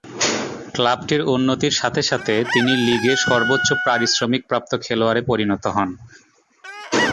ক্লাবটির উন্নতির সাথে সাথে তিনি লীগে সর্বোচ্চ পারিশ্রমিক প্রাপ্ত খেলোয়াড়ে পরিণত হন।